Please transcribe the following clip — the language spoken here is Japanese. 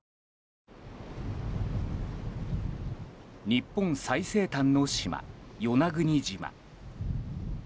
日本最西端の島・与那国島。